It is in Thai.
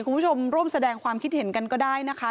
คุณผู้ชมร่วมแสดงความคิดเห็นกันก็ได้นะคะ